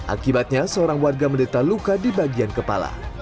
akibatnya seorang warga menderita luka di bagian kepala